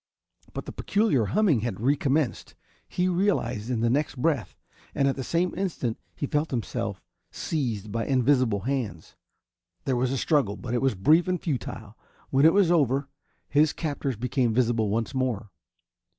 But the peculiar humming had recommenced, he realized in the next breath and at the same instant he felt himself seized by invisible hands. There was a struggle, but it was brief and futile. When it was over his captors became visible once more.